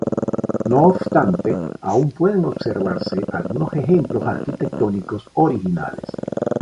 No obstante, aún pueden observarse algunos ejemplos arquitectónicos originales.